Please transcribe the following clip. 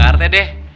mak artinya deh